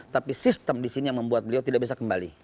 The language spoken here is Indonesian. tapi sistem di sini yang membuat beliau tidak bisa kembali